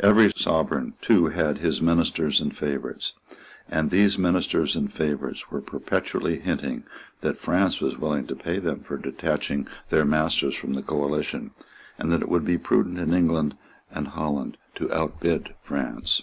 Every Sovereign too had his ministers and favourites; and these ministers and favourites were perpetually hinting that France was willing to pay them for detaching their masters from the coalition, and that it would be prudent in England and Holland to outbid France.